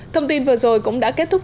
thông tin vừa rồi cũng đã kết thúc